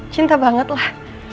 cinta banget lah